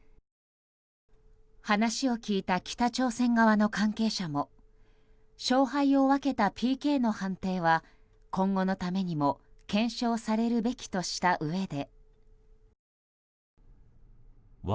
話を聞いた北朝鮮側の関係者も勝敗を分けたＰＫの判定は今後のためにも検証されるべきとしたうえで。